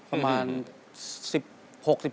ประมาณ๑๖๑๗ครับ